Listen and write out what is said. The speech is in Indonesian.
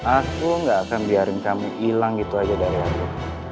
aku gak akan biarin kamu hilang gitu aja dari aku